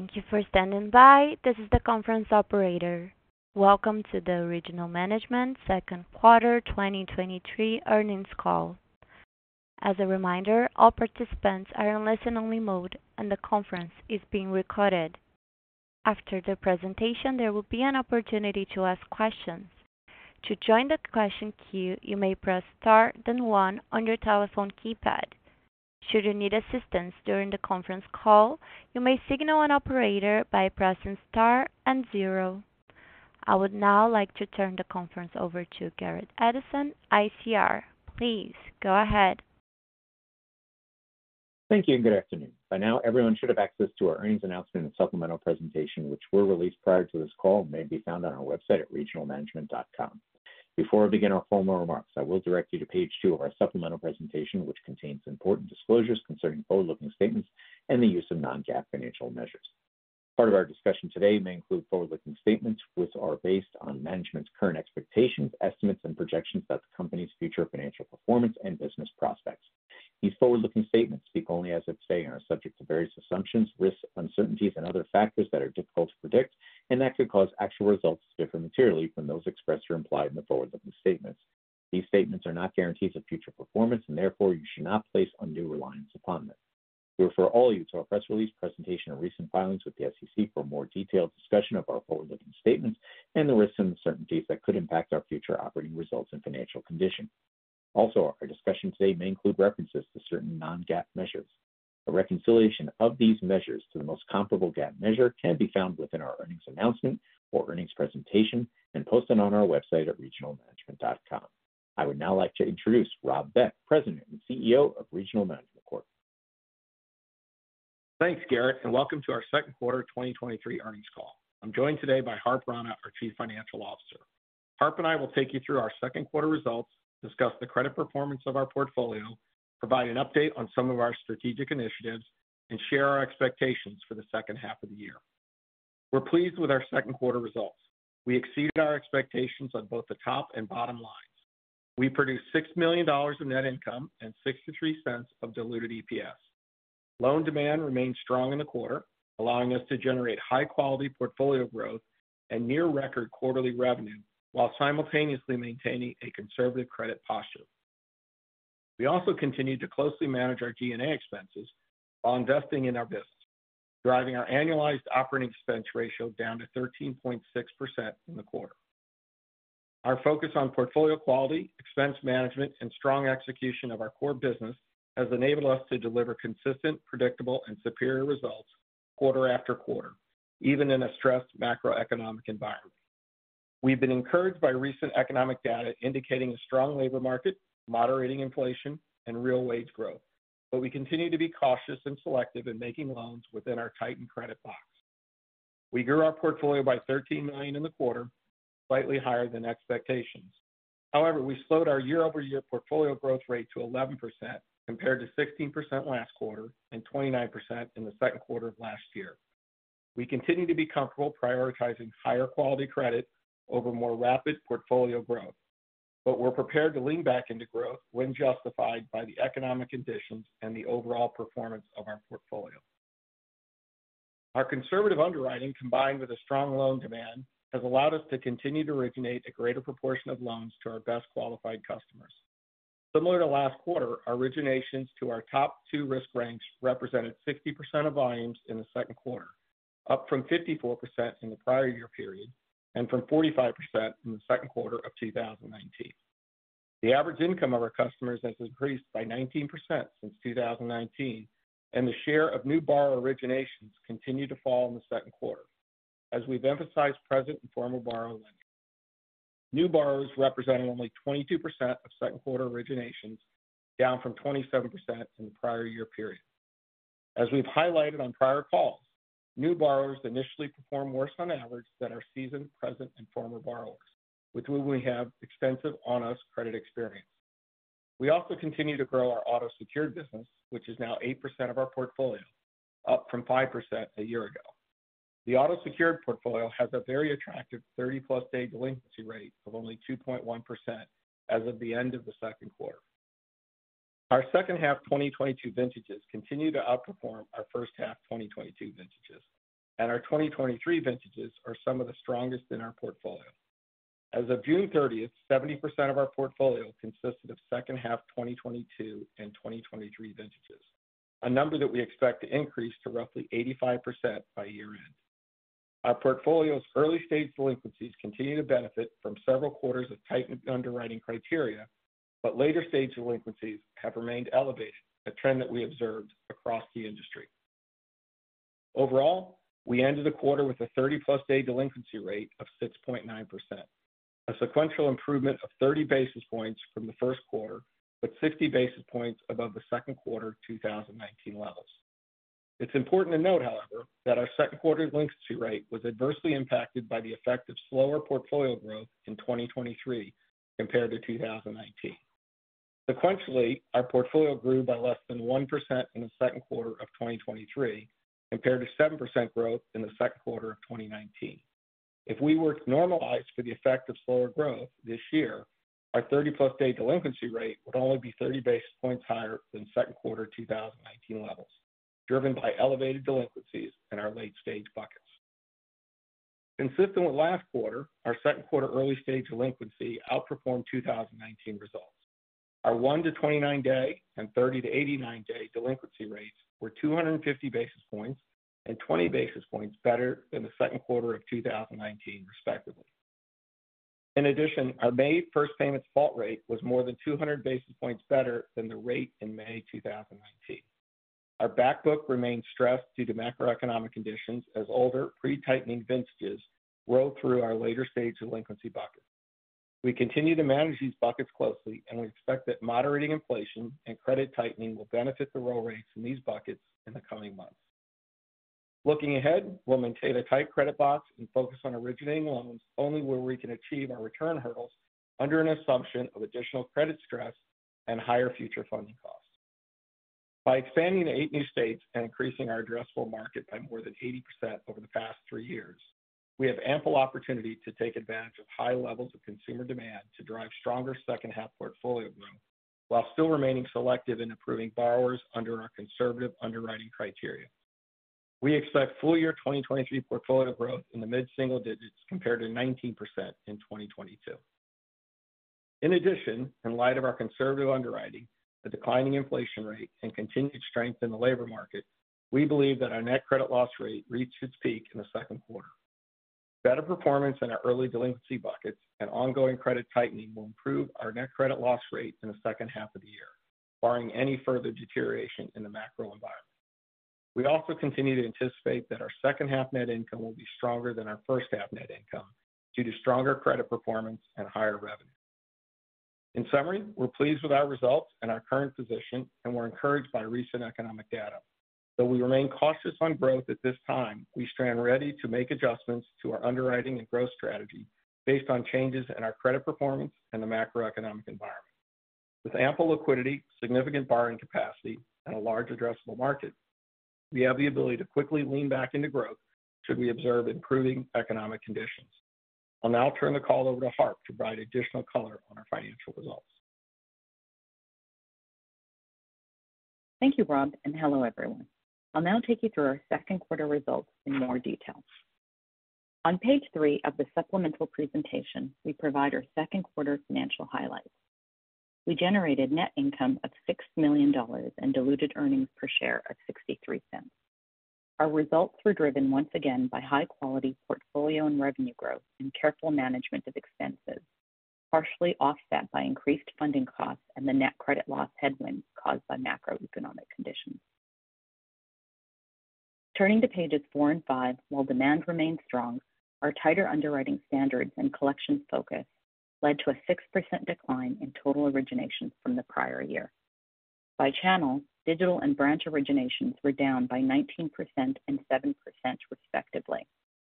Thank you for standing by. This is the conference operator. Welcome to the Regional Management second quarter 2023 earnings call. As a reminder, all participants are in listen-only mode, and the conference is being recorded. After the presentation, there will be an opportunity to ask questions. To join the question queue, you may press Star then one on your telephone keypad. Should you need assistance during the conference call, you may signal an operator by pressing Star and zero. I would now like to turn the conference over to Garrett Edson, ICR. Please go ahead. Thank you, and good afternoon. By now, everyone should have access to our earnings announcement and supplemental presentation, which were released prior to this call and may be found on our website at regionalmanagement.com. Before I begin our formal remarks, I will direct you to page two of our supplemental presentation, which contains important disclosures concerning forward-looking statements and the use of non-GAAP financial measures. Part of our discussion today may include forward-looking statements, which are based on management's current expectations, estimates, and projections about the company's future financial performance and business prospects. These forward-looking statements speak only as of today and are subject to various assumptions, risks, uncertainties, and other factors that are difficult to predict and that could cause actual results to differ materially from those expressed or implied in the forward-looking statements. These statements are not guarantees of future performance, and therefore you should not place undue reliance upon them. We refer all of you to our press release, presentation, and recent filings with the S.E.C. for a more detailed discussion of our forward-looking statements and the risks and uncertainties that could impact our future operating results and financial condition. Our discussion today may include references to certain non-GAAP measures. A reconciliation of these measures to the most comparable GAAP measure can be found within our earnings announcement or earnings presentation and posted on our website at regionalmanagement.com. I would now like to introduce Rob Beck, President and CEO of Regional Management Corp. Thanks, Garrett, welcome to our second quarter 2023 earnings call. I'm joined today by Harp Rana, our Chief Financial Officer. Harp and I will take you through our second quarter results, discuss the credit performance of our portfolio, provide an update on some of our strategic initiatives, and share our expectations for the second half of the year. We're pleased with our second quarter results. We exceeded our expectations on both the top and bottom lines. We produced $6 million of net income and $0.63 of diluted EPS. Loan demand remained strong in the quarter, allowing us to generate high-quality portfolio growth and near-record quarterly revenue while simultaneously maintaining a conservative credit posture. We also continued to closely manage our G&A expenses while investing in our business, driving our annualized operating expense ratio down to 13.6% in the quarter. Our focus on portfolio quality, expense management, and strong execution of our core business has enabled us to deliver consistent, predictable, and superior results quarter-after-quarter, even in a stressed macroeconomic environment. We've been encouraged by recent economic data indicating a strong labor market, moderating inflation, and real wage growth, but we continue to be cautious and selective in making loans within our tightened credit box. We grew our portfolio by $13 million in the quarter, slightly higher than expectations. However, we slowed our year-over-year portfolio growth rate to 11%, compared to 16% last quarter and 29% in the second quarter of last year. We continue to be comfortable prioritizing higher-quality credit over more rapid portfolio growth, but we're prepared to lean back into growth when justified by the economic conditions and the overall performance of our portfolio. Our conservative underwriting, combined with a strong loan demand, has allowed us to continue to originate a greater proportion of loans to our best-qualified customers. Similar to last quarter, our originations to our top two risk ranks represented 60% of volumes in the second quarter, up from 54% in the prior year period and from 45% in the second quarter of 2019. The average income of our customers has increased by 19% since 2019, and the share of new borrower originations continued to fall in the second quarter. As we've emphasized, present and former borrowers, new borrowers representing only 22% of second quarter originations, down from 27% in the prior year period. As we've highlighted on prior calls, new borrowers initially perform worse on average than our seasoned, present, and former borrowers, with whom we have extensive on-us credit experience. We also continue to grow our auto-secured business, which is now 8% of our portfolio, up from 5% a year ago. The auto-secured portfolio has a very attractive 30+ day delinquency rate of only 2.1% as of the end of the second quarter. Our second half 2022 vintages continue to outperform our first half 2022 vintages, and our 2023 vintages are some of the strongest in our portfolio. As of June 30th, 70% of our portfolio consisted of second half 2022 and 2023 vintages, a number that we expect to increase to roughly 85% by year-end. Our portfolio's early-stage delinquencies continue to benefit from several quarters of tightened underwriting criteria, but later-stage delinquencies have remained elevated, a trend that we observed across the industry. Overall, we ended the quarter with a 30+ day delinquency rate of 6.9%, a sequential improvement of 30 basis points from the first quarter, but 50 basis points above the second quarter of 2019 levels. It's important to note, however, that our second quarter delinquency rate was adversely impacted by the effect of slower portfolio growth in 2023 compared to 2019. Sequentially, our portfolio grew by less than 1% in the second quarter of 2023, compared to 7% growth in the second quarter of 2019.... If we were to normalize for the effect of slower growth this year, our 30+ day delinquency rate would only be 30 basis points higher than second quarter 2019 levels, driven by elevated delinquencies in our late-stage buckets. Consistent with last quarter, our second quarter early-stage delinquency outperformed 2019 results. Our one to 29 day and 30-89 day delinquency rates were 250 basis points and 20 basis points better than the second quarter of 2019, respectively. In addition, our May 1st payment default rate was more than 200 basis points better than the rate in May 2019. Our back book remains stressed due to macroeconomic conditions as older pre-tightening vintages roll through our later stage delinquency buckets. We continue to manage these buckets closely, and we expect that moderating inflation and credit tightening will benefit the roll rates in these buckets in the coming months. Looking ahead, we'll maintain a tight credit box and focus on originating loans only where we can achieve our return hurdles under an assumption of additional credit stress and higher future funding costs. By expanding to eight new states and increasing our addressable market by more than 80% over the past three years, we have ample opportunity to take advantage of high levels of consumer demand to drive stronger second half portfolio growth, while still remaining selective in approving borrowers under our conservative underwriting criteria. We expect full year 2023 portfolio growth in the mid-single digits compared to 19% in 2022. In addition, in light of our conservative underwriting, the declining inflation rate, and continued strength in the labor market, we believe that our net credit loss rate reached its peak in the second quarter. Better performance in our early delinquency buckets and ongoing credit tightening will improve our net credit loss rate in the second half of the year, barring any further deterioration in the macro environment. We also continue to anticipate that our second half net income will be stronger than our first half net income due to stronger credit performance and higher revenue. In summary, we're pleased with our results and our current position, and we're encouraged by recent economic data. Though we remain cautious on growth at this time, we stand ready to make adjustments to our underwriting and growth strategy based on changes in our credit performance and the macroeconomic environment. With ample liquidity, significant borrowing capacity, and a large addressable market, we have the ability to quickly lean back into growth should we observe improving economic conditions. I'll now turn the call over to Harp to provide additional color on our financial results. Thank you, Rob, and hello, everyone. I'll now take you through our second quarter results in more detail. On page three of the supplemental presentation, we provide our second quarter financial highlights. We generated net income of $6 million and diluted earnings per share of $0.63. Our results were driven once again by high-quality portfolio and revenue growth and careful management of expenses, partially offset by increased funding costs and the net credit loss headwinds caused by macroeconomic conditions. Turning to pages four and five, while demand remains strong, our tighter underwriting standards and collections focus led to a 6% decline in total originations from the prior year. By channel, digital and branch originations were down by 19% and 7%, respectively,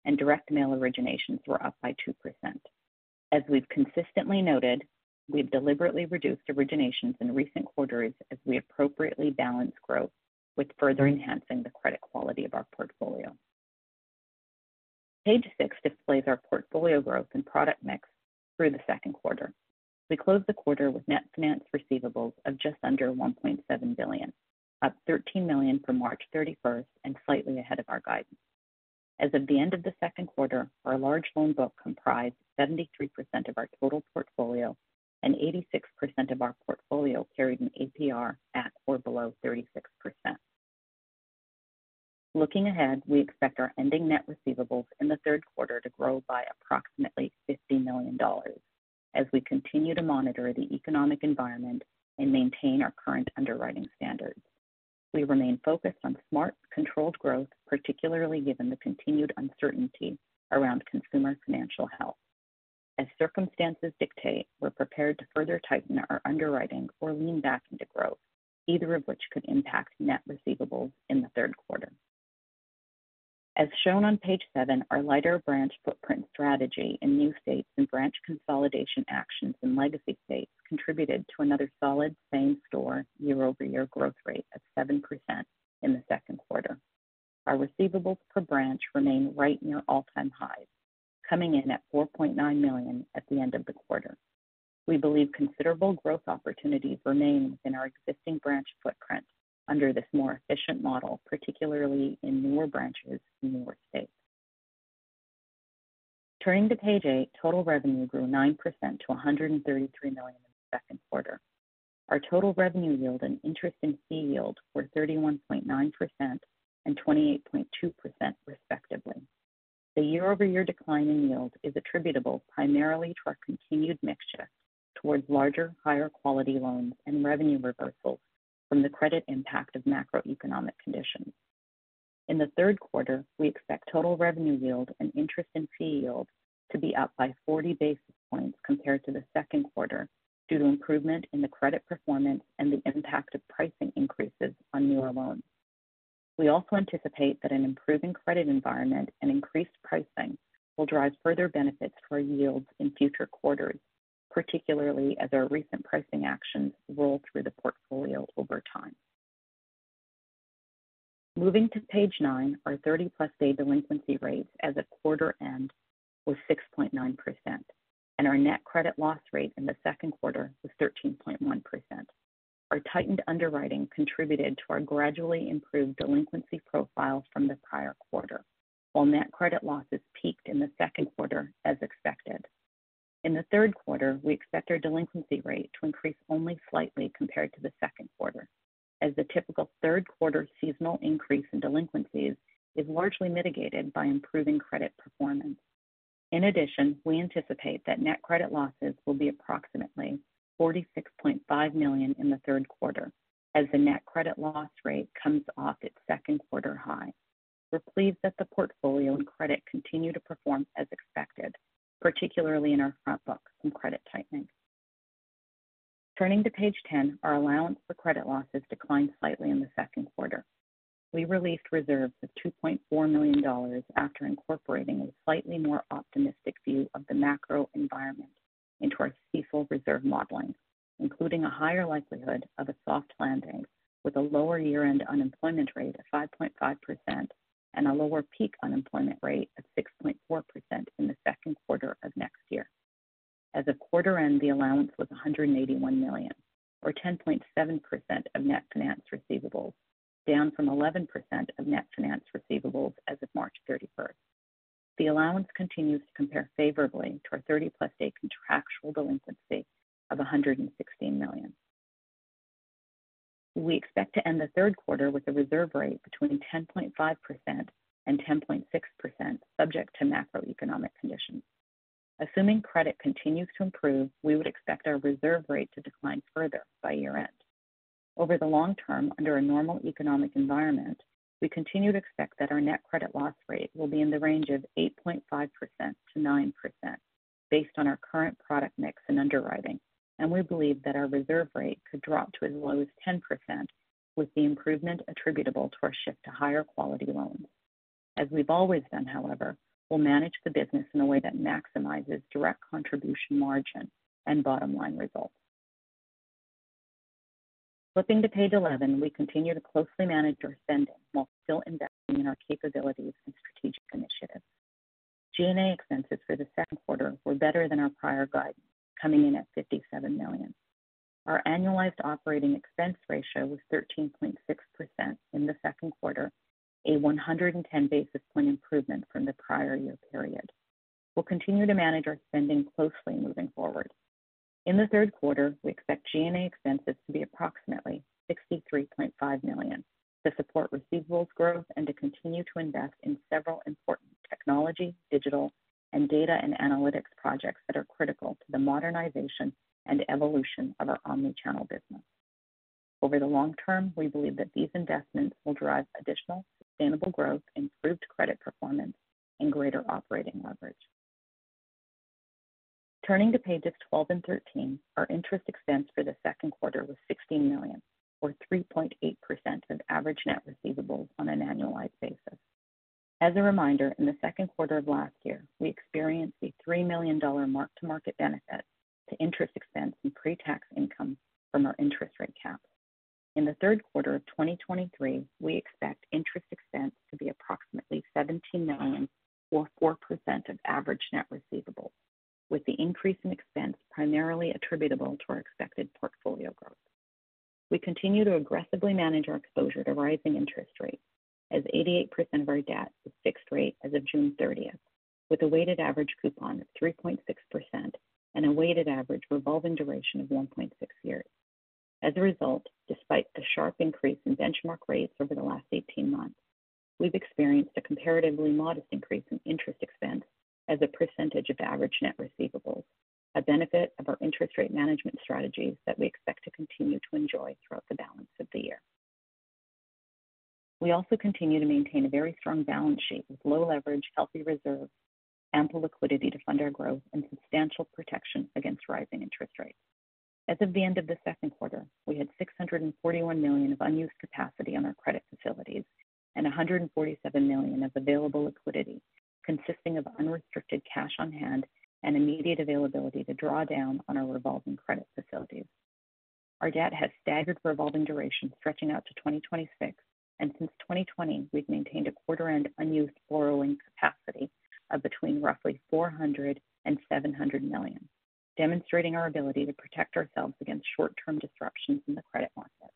and direct mail originations were up by 2%. As we've consistently noted, we've deliberately reduced originations in recent quarters as we appropriately balance growth with further enhancing the credit quality of our portfolio. Page six displays our portfolio growth and product mix through the second quarter. We closed the quarter with net finance receivables of just under $1.7 billion, up $13 million from March 31st and slightly ahead of our guidance. As of the end of the second quarter, our large loan book comprised 73% of our total portfolio, and 86% of our portfolio carried an APR at or below 36%. Looking ahead, we expect our ending net receivables in the third quarter to grow by approximately $50 million as we continue to monitor the economic environment and maintain our current underwriting standards. We remain focused on smart, controlled growth, particularly given the continued uncertainty around consumer financial health. As circumstances dictate, we're prepared to further tighten our underwriting or lean back into growth, either of which could impact net receivables in the third quarter. As shown on page seven, our lighter branch footprint strategy in new states and branch consolidation actions in legacy states contributed to another solid same-store year-over-year growth rate of 7% in the second quarter. Our receivables per branch remain right near all-time highs, coming in at $4.9 million at the end of the quarter. We believe considerable growth opportunities remain in our existing branch footprint under this more efficient model, particularly in newer branches in more states. Turning to page eight, total revenue grew 9% to $133 million in the second quarter. Our total revenue yield and interest and fee yield were 31.9% and 28.2%, respectively. The year-over-year decline in yield is attributable primarily to our continued mix shift towards larger, higher quality loans and revenue reversals from the credit impact of macroeconomic conditions. In the third quarter, we expect total revenue yield and interest in fee yield to be up by 40 basis points compared to the second quarter, due to improvement in the credit performance and the impact of pricing increases on newer loans. We also anticipate that an improving credit environment and increased pricing will drive further benefits to our yields in future quarters, particularly as our recent pricing actions roll through the portfolio over time.... Moving to page nine, our 30+ day delinquency rates as a quarter end was 6.9%, and our net credit loss rate in the second quarter was 13.1%. Our tightened underwriting contributed to our gradually improved delinquency profile from the prior quarter, while Net Credit Losses peaked in the second quarter as expected. In the third quarter, we expect our delinquency rate to increase only slightly compared to the second quarter, as the typical third quarter seasonal increase in delinquencies is largely mitigated by improving credit performance. In addition, we anticipate that Net Credit Losses will be approximately $46.5 million in the third quarter as the net credit loss rate comes off its second quarter high. We're pleased that the portfolio and credit continue to perform as expected, particularly in our front book and credit tightening. Turning to page 10, our allowance for credit losses declined slightly in the second quarter. We released reserves of $2.4 million after incorporating a slightly more optimistic view of the macro environment into our CECL reserve modeling, including a higher likelihood of a soft landing with a lower year-end unemployment rate of 5.5% and a lower peak unemployment rate of 6.4% in the second quarter of next year. As of quarter end, the allowance was $181 million, or 10.7% of net finance receivables, down from 11% of net finance receivables as of March 31st. The allowance continues to compare favorably to our 30+ day contractual delinquency of $116 million. We expect to end the third quarter with a reserve rate between 10.5% and 10.6%, subject to macroeconomic conditions. Assuming credit continues to improve, we would expect our reserve rate to decline further by year-end. Over the long term, under a normal economic environment, we continue to expect that our net credit loss rate will be in the range of 8.5%-9% based on our current product mix and underwriting. We believe that our reserve rate could drop to as low as 10%, with the improvement attributable to our shift to higher quality loans. As we've always done, however, we'll manage the business in a way that maximizes direct contribution margin and bottom line results. Flipping to page 11. We continue to closely manage our spending while still investing in our capabilities and strategic initiatives. G&A expenses for the second quarter were better than our prior guidance, coming in at $57 million. Our annualized operating expense ratio was 13.6% in the second quarter, a 110 basis point improvement from the prior year period. We'll continue to manage our spending closely moving forward. In the third quarter, we expect G&A expenses to be approximately $63.5 million to support receivables growth and to continue to invest in several important technology, digital, and data and analytics projects that are critical to the modernization and evolution of our omnichannel business. Over the long term, we believe that these investments will drive additional sustainable growth, improved credit performance, and greater operating leverage. Turning to pages 12 and 13. Our interest expense for the second quarter was $16 million, or 3.8% of average net receivables on an annualized basis. As a reminder, in the second quarter of last year, we experienced a $3 million mark to market benefit to interest expense and pre-tax income from our interest rate cap. In the third quarter of 2023, we expect interest expense to be approximately $17 million, or 4% of average net receivables, with the increase in expense primarily attributable to our expected portfolio growth. We continue to aggressively manage our exposure to rising interest rates, as 88% of our debt was fixed rate as of June 30th, with a weighted average coupon of 3.6% and a weighted average revolving duration of 1.6 years. As a result, despite the sharp increase in benchmark rates over the last 18 months, we've experienced a comparatively modest increase in interest expense as a percentage of average net receivables, a benefit of our interest rate management strategies that we expect to continue to enjoy throughout the balance of the year. We also continue to maintain a very strong balance sheet with low leverage, healthy reserves, ample liquidity to fund our growth, and substantial protection against rising interest rates. As of the end of the second quarter, we had $641 million of unused capacity on our credit facilities and $147 million of available liquidity consisting of unrestricted cash on hand and immediate availability to draw down on our revolving credit facilities. Our debt has staggered revolving duration, stretching out to 2026, and since 2020, we've maintained a quarter-end unused borrowing capacity of between roughly $400 million and $700 million, demonstrating our ability to protect ourselves against short-term disruptions in the credit market.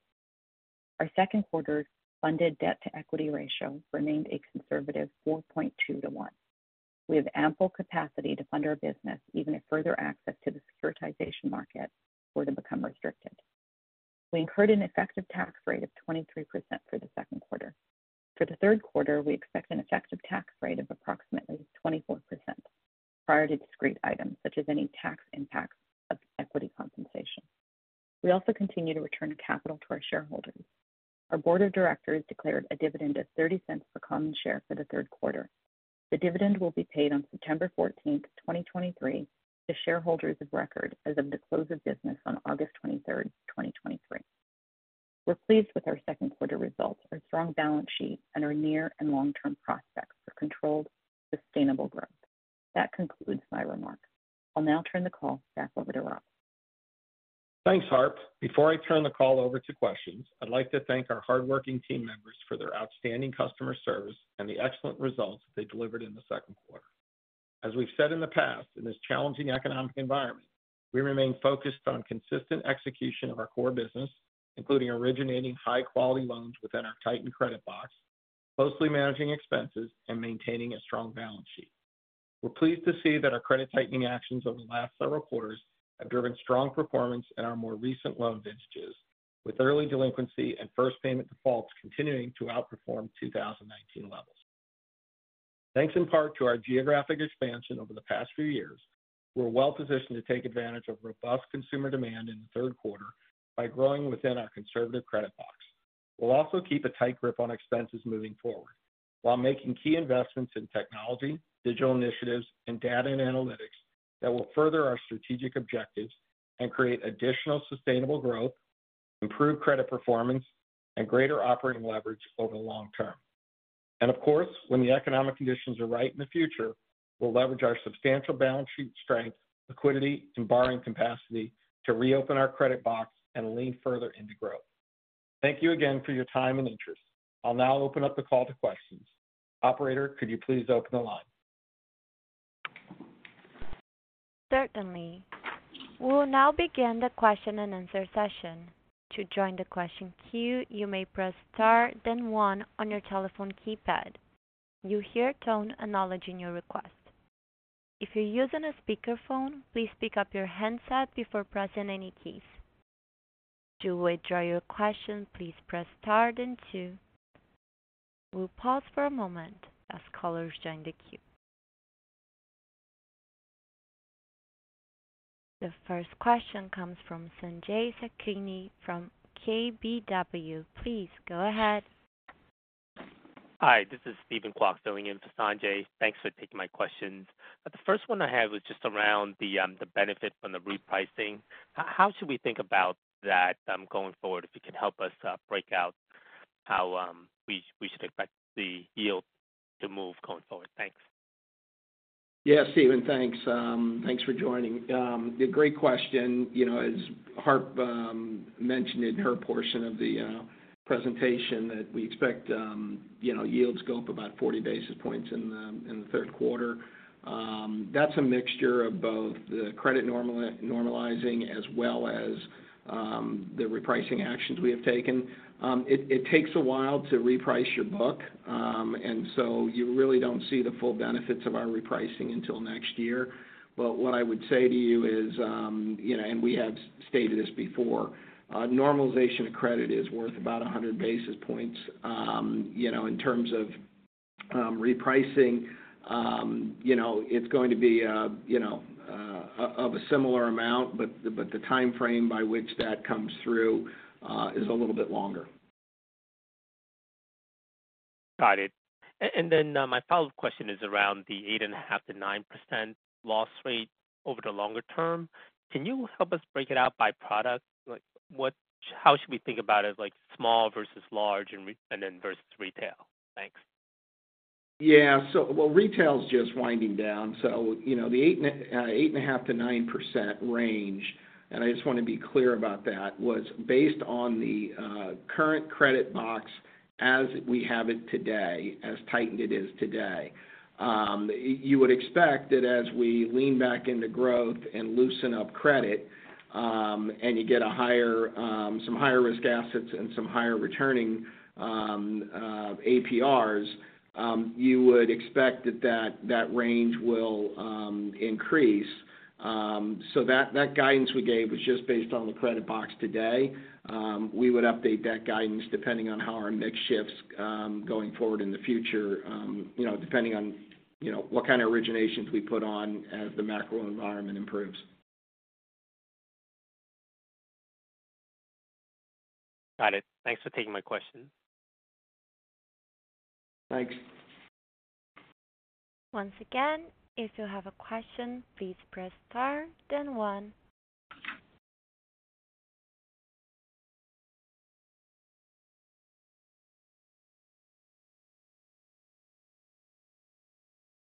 Our second quarter funded debt-to-equity ratio remained a conservative 4.2 to 1. We have ample capacity to fund our business, even if further access to the securitization market were to become restricted. We incurred an effective tax rate of 23% for the second quarter. For the third quarter, we expect an effective tax rate of approximately 24% prior to discrete items, such as any tax impacts of equity compensation. We also continue to return capital to our shareholders. Our board of directors declared a dividend of $0.30 per common share for the third quarter. The dividend will be paid on September 14th, 2023, to shareholders of record as of the close of business on August 23rd, 2023. We're pleased with our second quarter results, our strong balance sheet, and our near and long-term prospects for controlled, sustainable growth. That concludes my remarks. I'll now turn the call back over to Rob. ... Thanks, Harp. Before I turn the call over to questions, I'd like to thank our hardworking team members for their outstanding customer service and the excellent results they delivered in the second quarter. As we've said in the past, in this challenging economic environment, we remain focused on consistent execution of our core business, including originating high quality loans within our tightened credit box, closely managing expenses and maintaining a strong balance sheet. We're pleased to see that our credit tightening actions over the last several quarters have driven strong performance in our more recent loan vintages, with early delinquency and First payment defaults continuing to outperform 2019 levels. Thanks in part to our geographic expansion over the past few years, we're well-positioned to take advantage of robust consumer demand in the third quarter by growing within our conservative credit box. We'll also keep a tight grip on expenses moving forward while making key investments in technology, digital initiatives, and data and analytics that will further our strategic objectives and create additional sustainable growth, improve credit performance, and greater operating leverage over the long term. Of course, when the economic conditions are right in the future, we'll leverage our substantial balance sheet strength, liquidity, and borrowing capacity to reopen our credit box and lean further into growth. Thank you again for your time and interest. I'll now open up the call to questions. Operator, could you please open the line? Certainly. We'll now begin the question-and-answer session. To join the question queue, you may press Star, then One on your telephone keypad. You'll hear a tone acknowledging your request. If you're using a speakerphone, please pick up your handset before pressing any keys. To withdraw your question, please press Star then Two. We'll pause for a moment as callers join the queue. The first question comes from Sanjay Sakhrani from KBW. Please go ahead. Hi, this is Steven Kwok filling in for Sanjay. Thanks for taking my questions. The first one I had was just around the benefit from the repricing. How, how should we think about that going forward? If you can help us break out how we should expect the yield to move going forward. Thanks. Yeah, Steven, thanks. Thanks for joining. A great question. You know, as Harp mentioned in her portion of the presentation, that we expect, you know, yields to go up about 40 basis points in the third quarter. That's a mixture of both the credit normal, normalizing as well as the repricing actions we have taken. It, it takes a while to reprice your book. So you really don't see the full benefits of our repricing until next year. What I would say to you is, you know, and we have stated this before, normalization of credit is worth about 100 basis points. You know, in terms of repricing, you know, it's going to be, you know, of a similar amount, but the timeframe by which that comes through is a little bit longer. Got it. And then, my follow-up question is around the 8.5%-9% loss rate over the longer term. Can you help us break it out by product? Like, how should we think about it, like small versus large and then versus retail? Thanks. Yeah. well, retail is just winding down. You know, the 8.5%-9% range, and I just want to be clear about that, was based on the current credit box as we have it today, as tightened it is today. You would expect that as we lean back into growth and loosen up credit, and you get a higher, some higher risk assets and some higher returning APRs, you would expect that, that range will increase. That, that guidance we gave was just based on the credit box today. We would update that guidance depending on how our mix shifts, going forward in the future, you know, depending on, you know, what kind of originations we put on as the macro environment improves. Got it. Thanks for taking my question. Thanks. Once again, if you have a question, please press Star then one.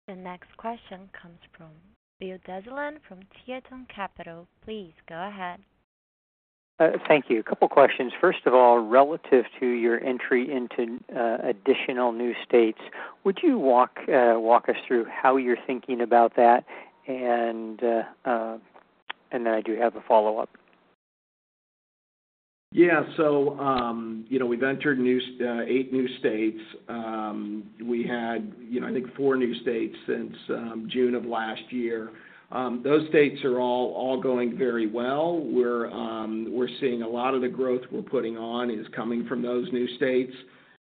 The next question comes from Bill Dezellem from Tieton Capital. Please go ahead. Thank you. A couple questions. First of all, relative to your entry into, additional new states, would you walk us through how you're thinking about that? Then I do have a follow-up. Yeah. You know, we've entered new, 8 new states. We had, you know, I think four new states since June of last year. Those states are all, all going very well. We're seeing a lot of the growth we're putting on is coming from those new states,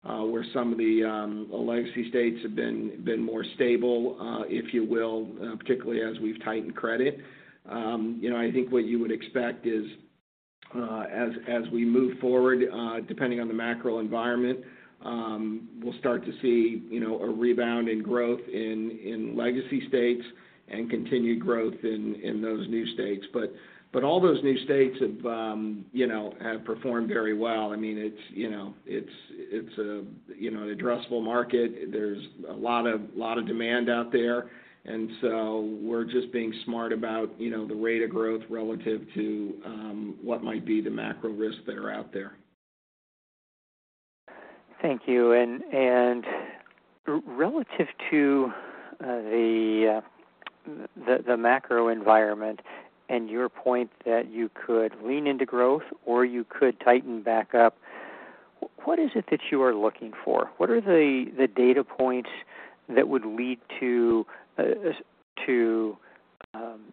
where some of the legacy states have been, been more stable, if you will, particularly as we've tightened credit. You know, I think what you would expect is, as, as we move forward, depending on the macro environment, we'll start to see, you know, a rebound in growth in, in legacy states and continued growth in, in those new states. But all those new states have-... you know, have performed very well. I mean, it's, you know, it's, it's a, you know, an addressable market. There's a lot of, lot of demand out there, and so we're just being smart about, you know, the rate of growth relative to what might be the macro risks that are out there. Thank you. And relative to, the, the, the macro environment and your point that you could lean into growth or you could tighten back up, what is it that you are looking for? What are the, the data points that would lead to, to,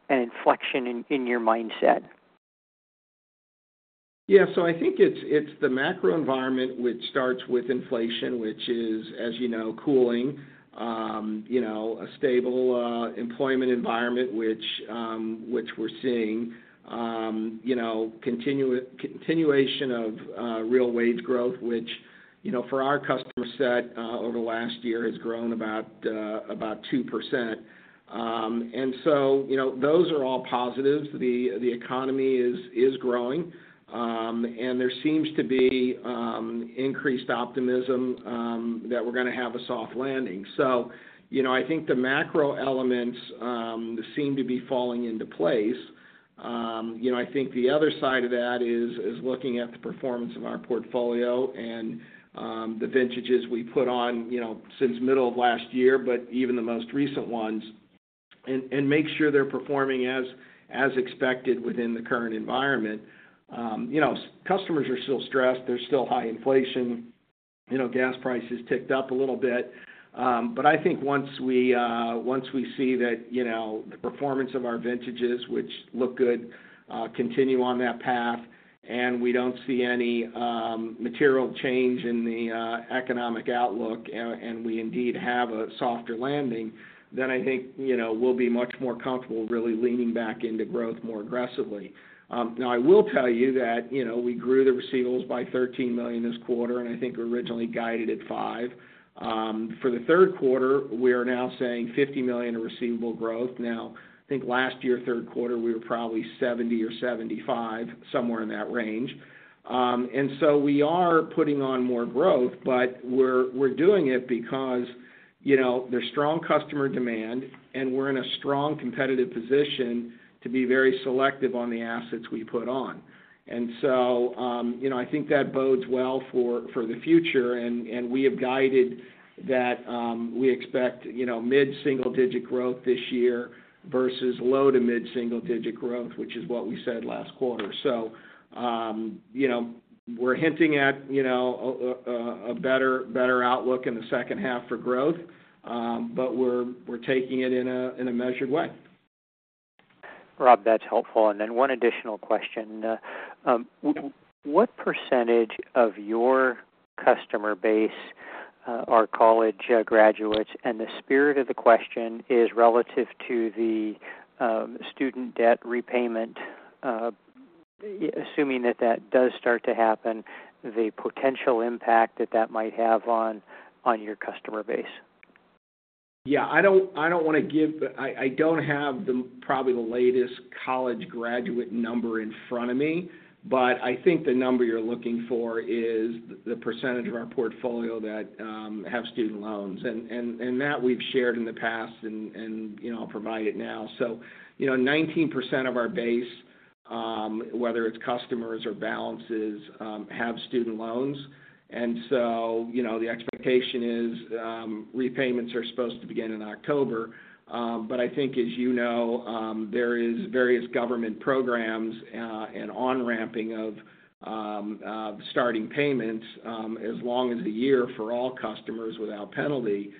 an inflection in, in your mindset? Yeah. I think it's, it's the macro environment, which starts with inflation, which is, as you know, cooling. You know, a stable employment environment, which we're seeing. You know, continuation of real wage growth, which, you know, for our customer set, over the last year has grown about 2%. You know, those are all positives. The economy is growing, and there seems to be increased optimism that we're gonna have a soft landing. You know, I think the macro elements seem to be falling into place. You know, I think the other side of that is, is looking at the performance of our portfolio and the vintages we put on, you know, since middle of last year, but even the most recent ones, and make sure they're performing as, as expected within the current environment. You know, customers are still stressed. There's still high inflation. You know, gas prices ticked up a little bit. I think once we, once we see that, you know, the performance of our vintages, which look good, continue on that path, and we don't see any material change in the economic outlook, and we indeed have a softer landing, then I think, you know, we'll be much more comfortable really leaning back into growth more aggressively. Now, I will tell you that, you know, we grew the receivables by $13 million this quarter, and I think we originally guided at $5 million. For the third quarter, we are now saying $50 million in receivable growth. Now, I think last year, third quarter, we were probably $70 million or $75 million, somewhere in that range. We are putting on more growth, but we're, we're doing it because, you know, there's strong customer demand, and we're in a strong competitive position to be very selective on the assets we put on. You know, I think that bodes well for, for the future, and, and we have guided that, we expect, you know, mid-single-digit growth this year versus low to mid-single-digit growth, which is what we said last quarter. You know, we're hinting at, you know, a, a, a better, better outlook in the second half for growth, but we're, we're taking it in a, in a measured way. Rob, that's helpful. Then one additional question: What % of your customer base are college graduates? The spirit of the question is relative to the student debt repayment, assuming that that does start to happen, the potential impact that that might have on, on your customer base. Yeah, I don't, I don't have the probably the latest college graduate number in front of me, but I think the number you're looking for is the percentage of our portfolio that have student loans. That we've shared in the past and, you know, I'll provide it now. You know, 19% of our base, whether it's customers or balances, have student loans. You know, the expectation is, repayments are supposed to begin in October. I think, as you know, there is various government programs and on-ramping of starting payments, as long as one year for all customers without penalty.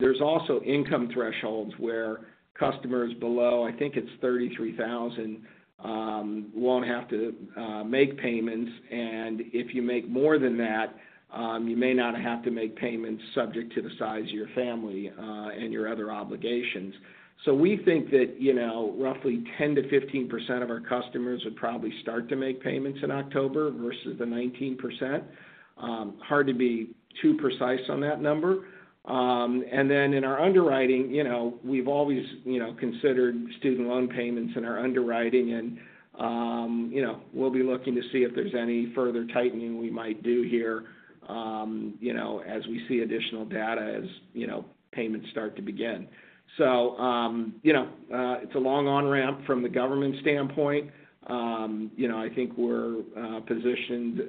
There's also income thresholds where customers below, I think it's 33,000, won't have to make payments, and if you make more than that, you may not have to make payments subject to the size of your family and your other obligations. We think that, you know, roughly 10%-15% of our customers would probably start to make payments in October versus the 19%. Hard to be too precise on that number. Then in our underwriting, you know, we've always, you know, considered student loan payments in our underwriting. You know, we'll be looking to see if there's any further tightening we might do here, you know, as we see additional data, as, you know, payments start to begin. You know, it's a long on-ramp from the government standpoint. you know, I think we're positioned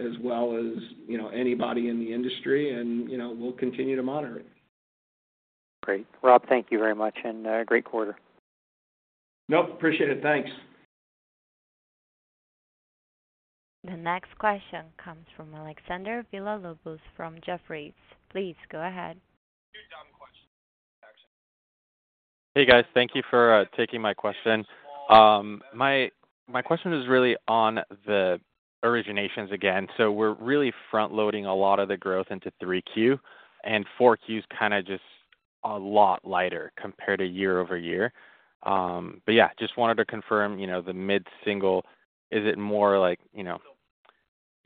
as well as, you know, anybody in the industry, and, you know, we'll continue to monitor it. Great. Rob, thank you very much, and, great quarter. Nope, appreciate it. Thanks. The next question comes from Alexander Villa-Lobos from Jefferies. Please go ahead. Hey, guys. Thank you for taking my question. My question is really on the originations again. We're really front-loading a lot of the growth into 3Q, and 4Q is kind of just a lot lighter compared to year-over-year. Yeah, just wanted to confirm, you know, the mid-single, is it more like, you know...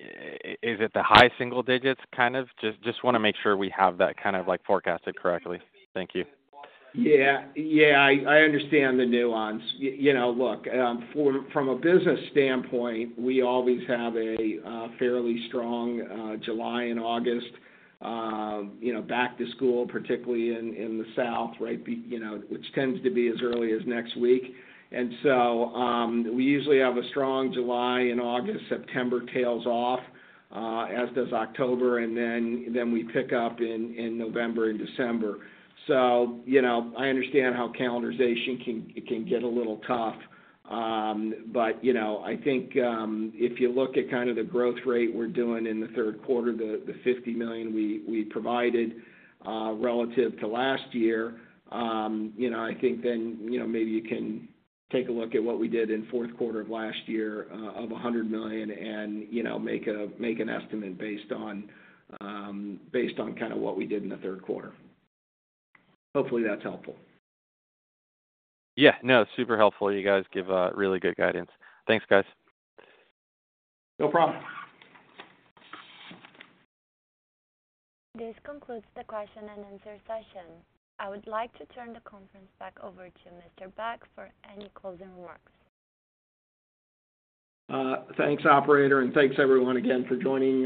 Is it the high single digits kind of? Just, just want to make sure we have that kind of, like, forecasted correctly. Thank you. Yeah. Yeah, I, I understand the nuance. You, you know, look, from a business standpoint, we always have a fairly strong July and August, you know, back to school, particularly in the south, right? You know, which tends to be as early as next week. We usually have a strong July and August. September tails off, as does October, and then, then we pick up in November and December. You know, I understand how calendarization can, it can get a little tough. You know, I think, if you look at kind of the growth rate we're doing in the third quarter, the, the $50 million we, we provided, relative to last year, you know, I think then, you know, maybe you can take a look at what we did in fourth quarter of last year, of $100 million and, you know, make a, make an estimate based on, based on kind of what we did in the third quarter. Hopefully, that's helpful. Yeah. No, super helpful. You guys give really good guidance. Thanks, guys. No problem. This concludes the question and answer session. I would like to turn the conference back over to Mr. Beck for any closing remarks. Thanks, operator, thanks everyone again for joining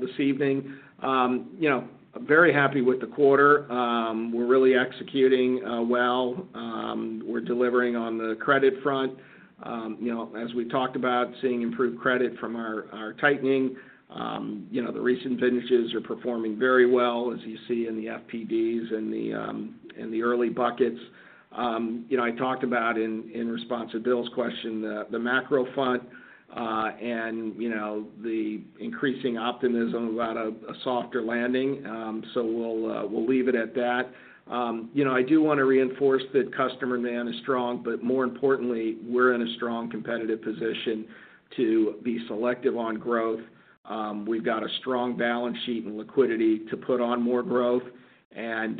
this evening. You know, very happy with the quarter. We're really executing well. We're delivering on the credit front. You know, as we talked about, seeing improved credit from our, our tightening. You know, the recent vintages are performing very well, as you see in the FPDs and the early buckets. You know, I talked about in response to Bill's question, the macro front, and, you know, the increasing optimism about a softer landing. We'll leave it at that. You know, I do want to reinforce that customer demand is strong, but more importantly, we're in a strong competitive position to be selective on growth. We've got a strong balance sheet and liquidity to put on more growth, and,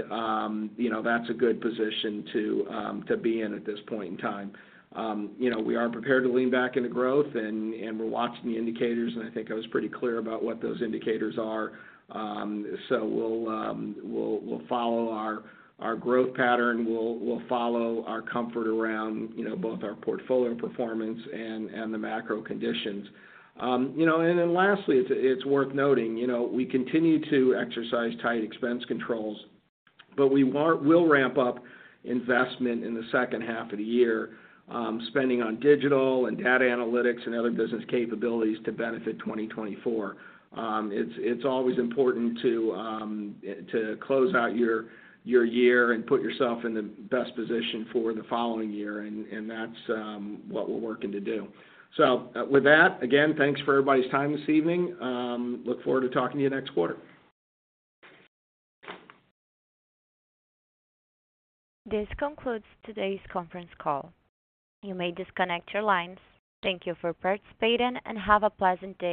you know, that's a good position to be in at this point in time. You know, we are prepared to lean back into growth, and, and we're watching the indicators, and I think I was pretty clear about what those indicators are. We'll, we'll, we'll follow our, our growth pattern. We'll, we'll follow our comfort around, you know, both our portfolio performance and, and the macro conditions. You know, and then lastly, it's, it's worth noting, you know, we continue to exercise tight expense controls, but we want-- we'll ramp up investment in the second half of the year, spending on digital and data analytics and other business capabilities to benefit 2024. It's, it's always important to, to close out your, your year and put yourself in the best position for the following year, and, and that's, what we're working to do. With that, again, thanks for everybody's time this evening. Look forward to talking to you next quarter. This concludes today's conference call. You may disconnect your lines. Thank you for participating, and have a pleasant day.